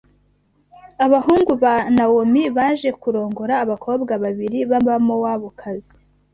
abahungu ba Nawomi baje kurongora abakobwa babiri b’Abamowabukazi